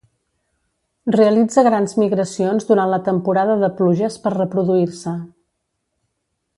Realitza grans migracions durant la temporada de pluges per reproduir-se.